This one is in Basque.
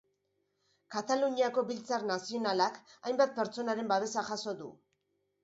Kataluniako Biltzar Nazionalak hainbat pertsonaren babesa jaso du.